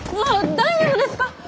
大丈夫です。